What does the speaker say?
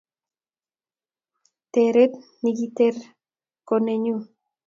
Teret nigiteer ko nenyu